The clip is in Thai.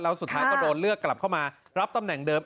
แล้วสุดท้ายก็โดนเลือกกลับเข้ามารับตำแหน่งเดิม